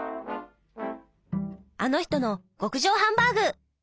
あの人の極上ハンバーグ。